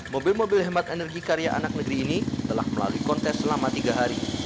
mobil mobil hemat energi karya anak negeri ini telah melalui kontes selama tiga hari